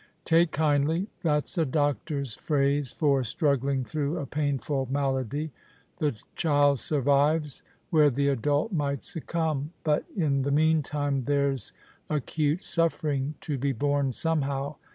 Take kindly ! That's a doctor's phrase for struggling through a painful malady. The child survives where the adult might succimib; but in the mean time there's acute suffering to be borne somehow.